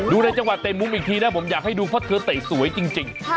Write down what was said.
ในจังหวะเตะมุมอีกทีนะผมอยากให้ดูเพราะเธอเตะสวยจริง